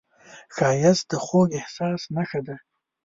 ښایست د خوږ احساس نښه ده